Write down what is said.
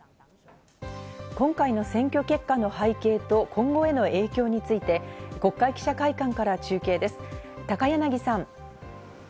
今回の選挙結果の背景と今後への影響について国会記者会館から中継です、高柳さん。